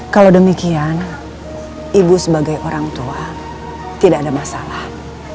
kalau demikian ibu sebagai orang tua tidak ada masalah